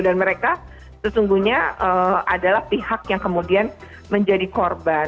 dan mereka sesungguhnya adalah pihak yang kemudian menjadi korban